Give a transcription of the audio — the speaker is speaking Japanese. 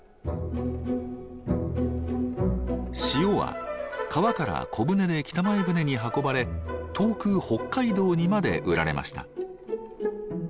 塩は川から小舟で北前船に運ばれ遠く北海道にまで売られました。